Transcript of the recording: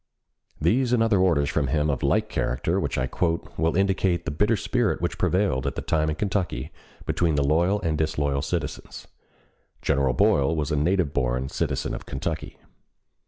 These and other orders from him of like character which I quote will indicate the bitter spirit which prevailed at that time in Kentucky between the loyal and disloyal citizens. General Boyle was a native born citizen of Kentucky.